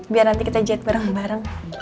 biar nanti kita jahit bareng bareng